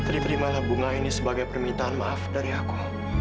terimalah bunga ini sebagai permintaan maaf dari aku